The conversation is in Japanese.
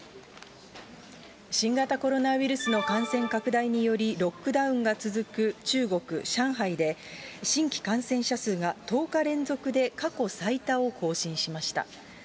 新型コロナウイルスの感染拡大によりロックダウンが続く中国・上海で、新規感染者数が１０日連続で過去最多を更新しました。